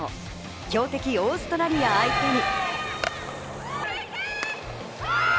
強敵オーストラリア相手に。